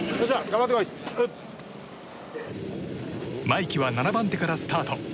真生騎は７番手からスタート。